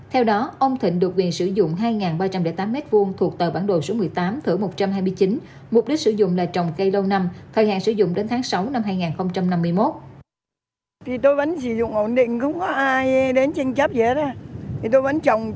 theo đó ông thịnh được quyền sử dụng hai ba trăm linh tám m hai thuộc tờ bản đồ số một mươi tám thửa một trăm hai mươi chín mục đích sử dụng là trồng cây lâu năm thời hạn sử dụng đến tháng sáu năm hai nghìn năm mươi một